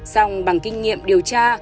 xong bằng kinh nghiệm điều tra